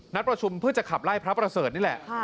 ประชุมเพื่อจะขับไล่พระประเสริฐนี่แหละ